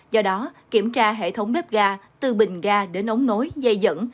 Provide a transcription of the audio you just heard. do đó kiểm tra hệ thống bếp ga tư bình ga để nóng nối dây dẫn